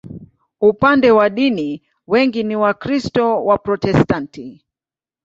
Upande wa dini, wengi ni Wakristo Waprotestanti.